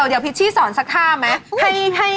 เดี๋ยวพิชชี่สอนสักท่าไหม